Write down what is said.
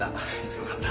よかった。